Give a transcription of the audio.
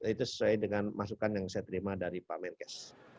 itu sesuai dengan masukan yang saya terima dari pak menkes